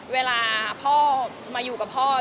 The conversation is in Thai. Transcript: เวลาพ่อมาอยู่กับพ่อ